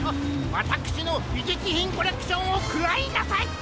わたくしのびじゅつひんコレクションをくらいなさい！